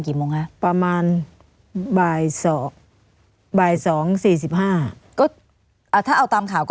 โมงคะประมาณบ่ายสองบ่ายสองสี่สิบห้าก็ถ้าเอาตามข่าวก็